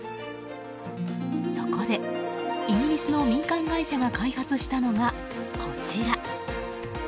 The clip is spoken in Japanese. そこでイギリスの民間会社が開発したのが、こちら。